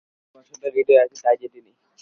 যে ভালবাসাটা হৃদয়ে আছে, তাই যে তিনি।